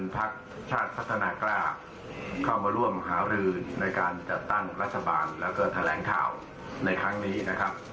พักชาติพัฒนากล้าเข้ามาร่วมหารือในการจัดตั้งรัฐบาลแล้วก็แถลงข่าวในครั้งนี้นะครับ